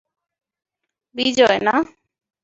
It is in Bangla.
বিজয়, না!